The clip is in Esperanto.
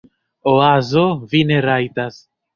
Oazo: "Vi ne rajtas."